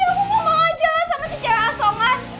aku gak mau jelas sama si cewek asongan